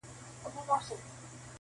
هلک چیغه کړه پر مځکه باندي پلن سو-